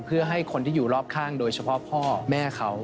เพื่อให้คนที่อยู่รอบข้างโดยเฉพาะพ่อแม่เขา